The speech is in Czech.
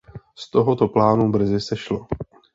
Z tohoto plánu brzy sešlo.